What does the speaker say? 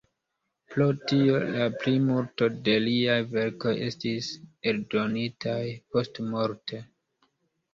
Pro tio la plimulto de liaj verkoj estis eldonitaj postmorte.